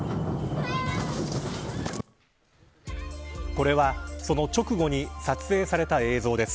これは、その直後に撮影された映像です。